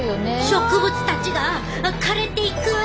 植物たちが枯れていく！